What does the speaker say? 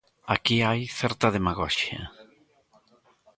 Aquí hai certa demagoxia.